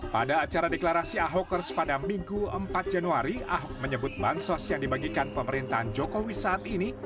pada acara deklarasi ahokers pada minggu empat januari ahok menyebut bansos yang dibagikan pemerintahan jokowi saat ini